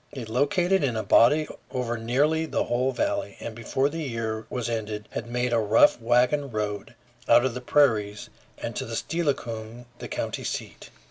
They located in a body over nearly the whole valley, and before the year was ended had made a rough wagon road out to the prairies and to Steilacoom, the county seat.